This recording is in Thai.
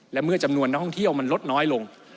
และเมื่อจำนวนนักท่องเที่ยวมันลดน้อยลง